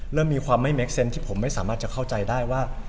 เริ่มมีความไม่เค็นต์ที่ผมไม่สามารถจะเข้าใจได้ว่า